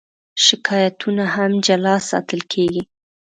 شکایتونه هم جلا ساتل کېږي.